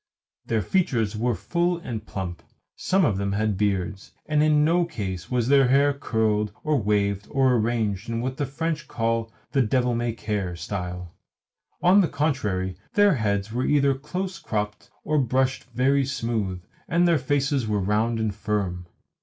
Their features were full and plump, some of them had beards, and in no case was their hair curled or waved or arranged in what the French call "the devil may care" style. On the contrary, their heads were either close cropped or brushed very smooth, and their faces were round and firm.